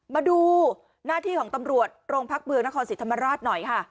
มาดูหน้าที่ของตำรวจโรงพักเมืองนครศรีธรรมราชหน่อยค่ะ